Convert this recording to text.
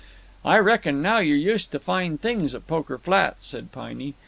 "I reckon now you're used to fine things at Poker Flat," said Piney.